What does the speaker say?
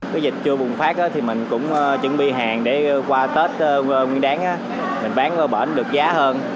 cái dịch chưa bùng phát thì mình cũng chuẩn bị hàng để qua tết nguyên đáng mình bán bệnh được giá hơn